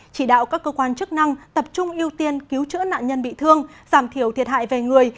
chỉ đạo các cơ quan chức năng tập trung ưu tiên cứu trữa nạn nhân bị thương giảm thiểu thiệt hại về người